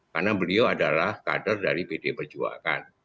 karena beliau adalah kader dari pdip perjuangan